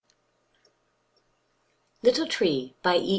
com little tree, by e.